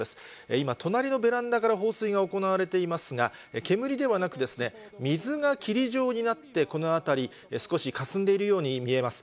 今、隣のベランダから放水が行われていますが、煙ではなく、水が霧状になって、この辺り、少しかすんでいるように見えます。